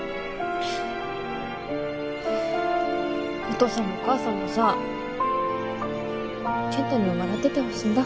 お父さんもお母さんもさ健太には笑っててほしいんだ。